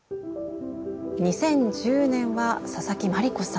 ２０１０年は佐々木万璃子さん。